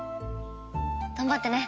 頑張ってね！